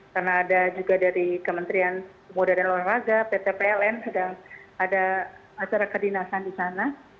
karena ada juga dari kementerian kemudahan dan luar raja pt pln sedang ada acara kedinasan di sana